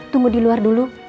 tunggu di luar dulu